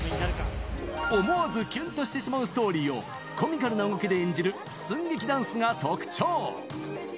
思わずきゅんとしてしまうストーリーを、コミカルな動きで演じる寸劇ダンスが特徴。